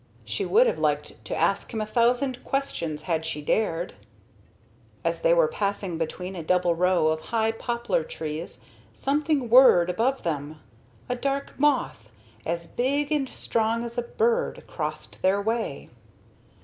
She would have liked to ask him a thousand questions had she dared. As they were passing between a double row of high poplar trees, something whirred above them; a dark moth, as big and strong as a bird, crossed their way.